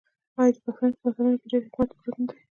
آیا د پښتنو په متلونو کې ډیر حکمت پروت نه دی؟